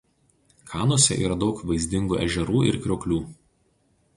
Kanuose yra daug vaizdingų ežerų ir krioklių.